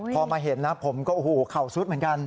พอมาเห็นนะผมก็โอ้โหเข่าซุดเหมือนกัน